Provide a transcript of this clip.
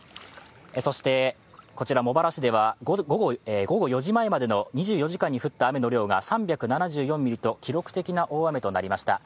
そして、こちら茂原市では午後４時までの２４時間に降った雨の量が３７４ミリと記録的な大雨となりました。